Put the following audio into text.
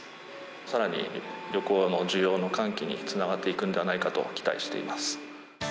さらに、旅行の需要の喚起につながっていくんではないかと期待しています。